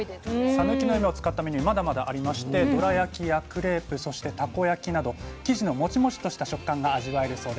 さぬきの夢を使ったメニューまだまだありましてどら焼きやクレープそしてたこ焼きなど生地のモチモチとした食感が味わえるそうです。